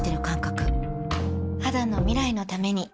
肌の未来のために